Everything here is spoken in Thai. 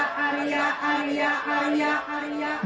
อาริยะอาริยะอาริยะ